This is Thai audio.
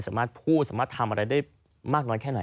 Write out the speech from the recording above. สามารถพูดสามารถทำอะไรได้มากน้อยแค่ไหน